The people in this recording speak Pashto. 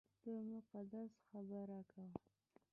د مقصد خبره کوه !